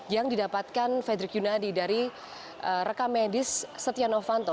yang didapatkan frederick yunadi dari reka medis setia novanto